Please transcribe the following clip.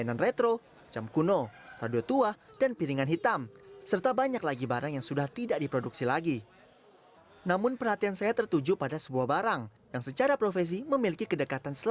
dan semuanya terlangkum dalam bandung vintage market